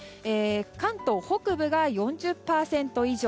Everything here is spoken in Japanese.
関東北部が４０％以上。